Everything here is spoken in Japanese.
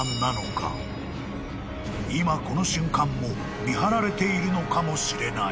［今この瞬間も見張られているのかもしれない］